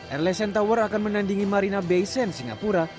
erlesen tower akan menandingi marina bay sand singapura